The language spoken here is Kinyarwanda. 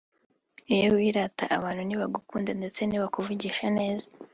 iyo wirata abantu ntibagukunda ndetse ntibanakuvuga neza